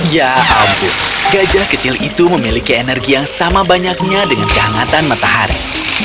ya ampun gajah kecil itu memiliki energi yang sama banyaknya dengan kehangatan matahari